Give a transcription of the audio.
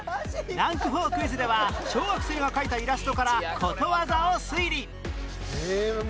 ランク４クイズでは小学生が描いたイラストからことわざを推理